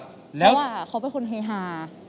เพราะว่าเขาเป็นคนเฮฮา